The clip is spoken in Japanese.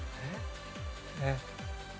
えっ？